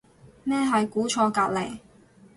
咩係估錯隔離